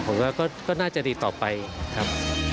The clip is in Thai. ผมว่าก็น่าจะดีต่อไปครับ